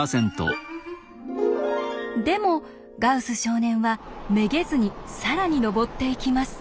でもガウス少年はめげずに更に上っていきます。